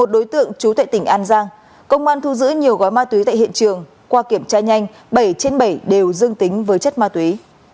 một mươi đối tượng trú tại tỉnh an giang công an thu giữ nhiều gói ma túy tại hiện trường qua kiểm tra nhanh bảy trên bảy đều dương tính với chất ma túy